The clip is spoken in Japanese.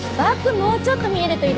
もうちょっと見えるといいですね。